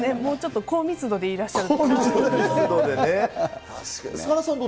もうちょっと高密度でいらっしゃる。